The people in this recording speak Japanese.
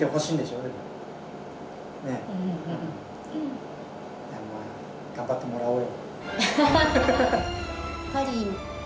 うん。頑張ってもらおうよ。